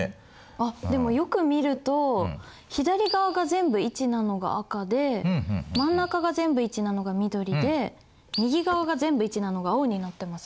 あっでもよく見ると左側が全部１なのが赤で真ん中が全部１なのが緑で右側が全部１なのが青になってますね。